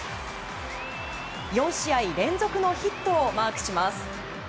４試合連続のヒットをマークします。